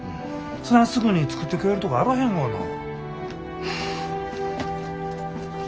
そないすぐに作ってくれるとこあらへんがな。